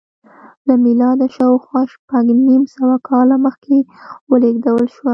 له میلاده شاوخوا شپږ نیم سوه کاله مخکې ولېږدول شوه